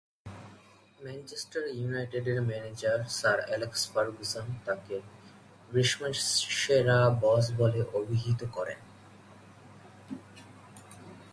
Manchester ইউনাইটেডের manager sir Alex Ferguson তাকে "গ্রীষ্মের সেরা বস" বলে অভিহিত করেন।